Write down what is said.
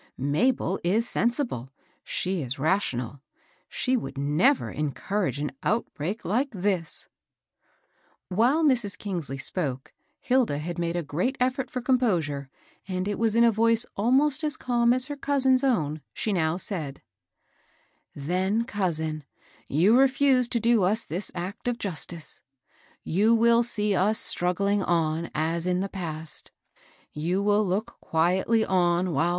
Mabel is sensible, she is rational, she would never encourage an outbreak like this." While Mrs. Kingsley spoke, Hilda had made a great effort for composure, and it was in a voice almost as calm as her cousin's own she now said, —" Then, cousin, you refuse to do us this act of justice ; you will see us struggling on, as in the past; you will look quietly on while HOW HILDA KEEPS HER POWDER DRY.